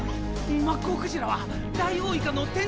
マッコウクジラはダイオウイカの天敵！